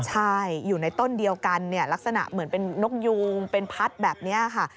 ใช่อยู่ในต้นเดียวกันลักษณะเหมือนเป็นนกยูงเป็นพัดแบบนี้ค่ะ